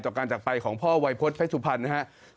การจักรไปของพ่อวัยพฤษเพชรสุพรรณนะครับ